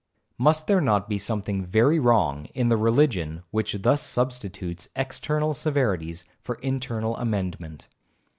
Must there not be something very wrong in the religion which thus substitutes external severities for internal amendment?